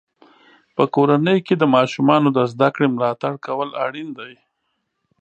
په کورنۍ کې د ماشومانو د زده کړې ملاتړ کول اړین دی.